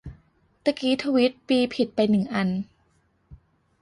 ตะกี้ทวีตปีผิดไปหนึ่งอัน